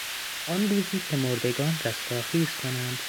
آن روزی که مردگان رستاخیز کنند